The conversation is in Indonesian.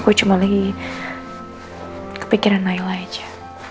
aku cuma lagi kepikiran nailah aja